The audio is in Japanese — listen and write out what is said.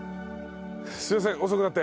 すいません遅くなって。